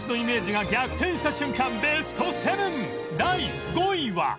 第５位は